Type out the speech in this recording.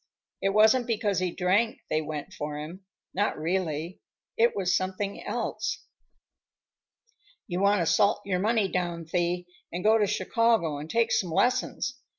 It wasn't because he drank they went for him; not really. It was something else." "You want to salt your money down, Thee, and go to Chicago and take some lessons.